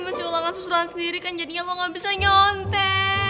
menculangan susulan sendiri kan jadinya lo gak bisa nyontek